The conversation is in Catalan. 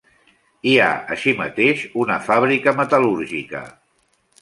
Hi ha així mateix una fàbrica metal·lúrgica.